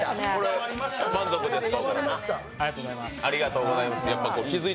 満足ですか？